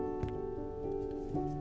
ketika mereka berpikir